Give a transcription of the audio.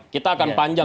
kita akan panjang